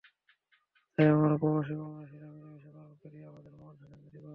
তাই আমরা প্রবাসী বাংলাদেশিরা মিলেমিশে পালন করি আমাদের মহান স্বাধীনতা দিবস।